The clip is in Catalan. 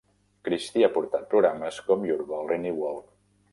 Christie ha portat programes com Urban Renewal.